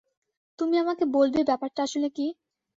তুমি আমাকে বলবে ব্যাপারটা আসলে কী?